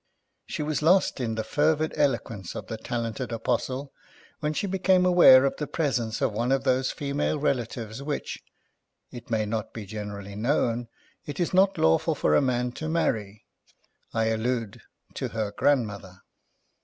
She was lost in the fervid eloquence of that talented Apostle when she became aware of the presence of one of those female relatives which (it may not be generally known) it is not lawful for a man to marry. I allude to her grandmother.